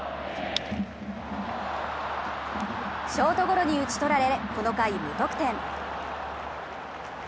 ショートゴロに打ち取られこの回、無得点。